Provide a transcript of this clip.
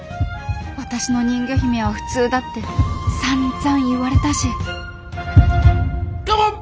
私の人魚姫は普通だってさんざん言われたしカモン！